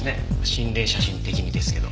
心霊写真的にですけど。